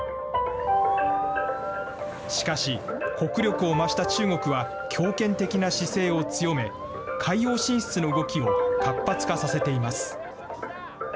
しかし、国力を増した中国は強権的な姿勢を強め、海洋進出の動きを活発化させています。